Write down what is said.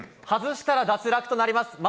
外したら脱落となります。